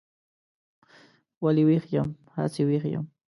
ولې ویښ یم؟ هسې ویښ یم.